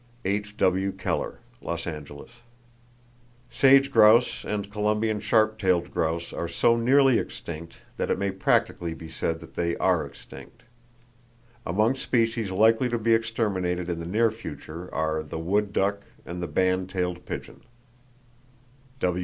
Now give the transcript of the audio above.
—(H.W. Keller, Los Angeles.) Sage grouse and Columbian sharp tailed grouse are so nearly extinct that it may practically be said that they are extinct. Among species likely to be exterminated in the near future are the wood duck and band tailed pigeon.